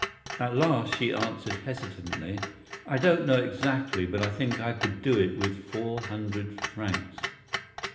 Finally she replied hesitating: "I don't know exactly, but I think I could manage it with four hundred francs."